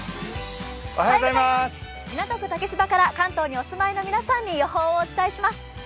港区竹芝から関東にお住まいの皆さんにお伝えします。